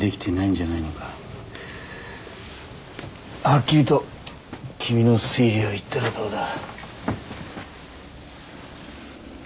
はっきりと君の推理を言ったらどうだ？